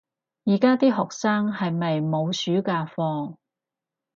而家啲學生係咪冇暑假放